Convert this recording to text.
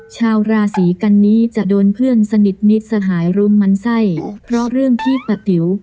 ชาวราศีกันนี้จะโดนเพื่อนสนิทมิตรสหายรุมมันไส้เพราะเรื่องที่ปะติ๋ว